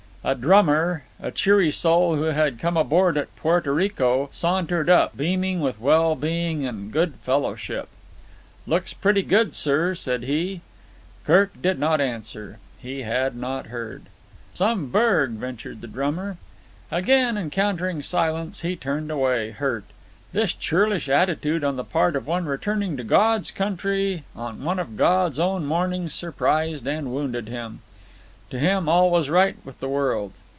A drummer, a cheery soul who had come aboard at Porto Rico, sauntered up, beaming with well being and good fellowship. "Looks pretty good, sir," said he. Kirk did not answer. He had not heard. "Some burg," ventured the drummer. Again encountering silence, he turned away, hurt. This churlish attitude on the part of one returning to God's country on one of God's own mornings surprised and wounded him. To him all was right with the world.